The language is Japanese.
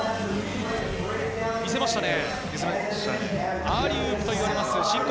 見せましたね。